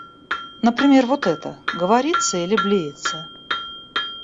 Например, вот это — говорится или блеется?